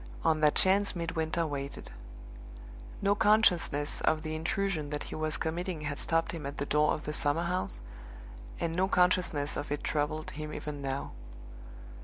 On that chance Midwinter waited. No consciousness of the intrusion that he was committing had stopped him at the door of the summer house, and no consciousness of it troubled him even now.